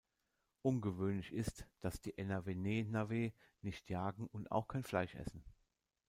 Ungewöhnlich ist, dass die Enawenê-Nawê nicht jagen und auch kein Fleisch essen.